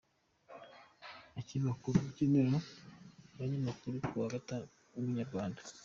Akiva ku rubyiniro umunyamakuru wa Inyarwanda.